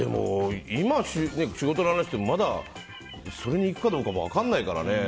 仕事の話してもまだそれに行くかどうかも分からないからね。